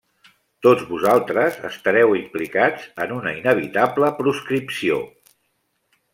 Tots vosaltres estareu implicats en una inevitable proscripció.